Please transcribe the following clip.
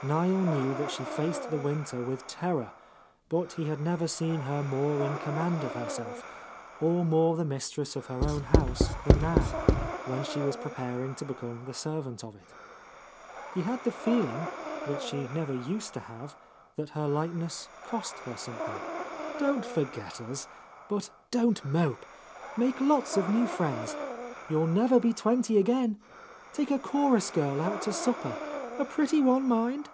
Niel knew that she faced the winter with terror, but he had never seen her more in com mand of herself, — or more the mistress of her own house than now, when she was preparing to become the servant of it. He had the feelings which he never used to have, that her lightness cost her something. "Don't forget us, but don't mope. Make lots of new friends. You'll never be twenty again. Take a chorus girl out to supper — a pretty one, mind!